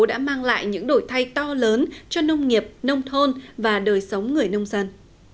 đã mang lại những đổi thay to lớn cho nông nghiệp nông thôn và đời sống người nông dân